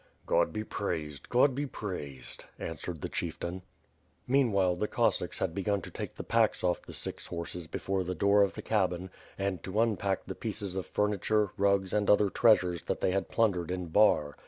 "God be praised! God be praised!" answered the chieftain. Meanwhile, the Cossacks had begun to take the packs oflE the six horses before the door of the cabin, and to unpack the pieces of furniture, rugs, and other treasures that they had plundered in Bar.